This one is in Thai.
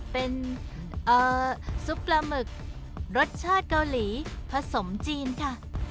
เป็นซุปปลาหมึกรสชาติเกาหลีผสมจีนค่ะ